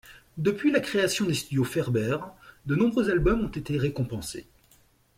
Depuis la création des studios Ferber, de nombreux albums ont été récompensés.